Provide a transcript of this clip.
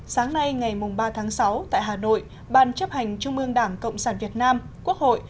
sáng nay ngày ba tháng sáu tại hà nội ban chấp hành trung ương đảng cộng sản việt nam quốc hội